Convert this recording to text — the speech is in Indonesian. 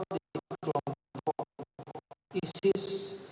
di kelompok isis